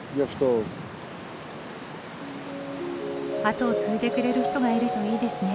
後を継いでくれる人がいるといいですね。